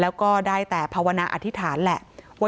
แล้วก็ได้แต่ภาวนาอธิษฐานแหละว่า